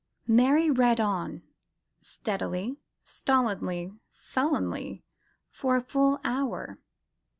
Mary read on, steadily, stolidly, sullenly, for a full hour.